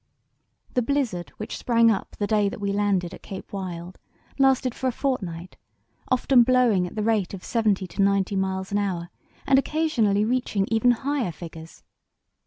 The blizzard which sprang up the day that we landed at Cape Wild lasted for a fortnight, often blowing at the rate of seventy to ninety miles an hour, and occasionally reaching even higher figures.